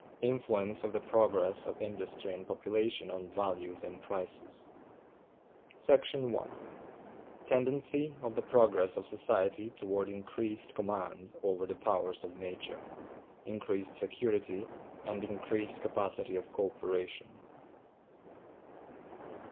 Influence Of The Progress Of Industry And Population On Values And Prices. § 1. Tendency of the progress of society toward increased Command over the powers of Nature; increased Security, and increased Capacity of Co Operation.